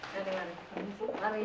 sudah nakal ya